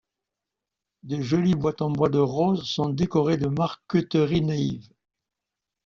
De jolies boîtes en bois de rose sont décorées de marqueterie naïve.